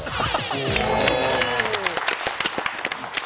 お！